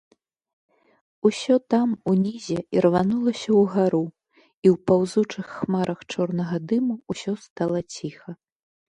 Усё там, унізе, ірванулася ўгару, і ў паўзучых хмарах чорнага дыму ўсё стала ціха.